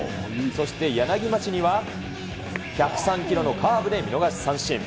そして柳町には１０３キロのカーブで見逃し三振。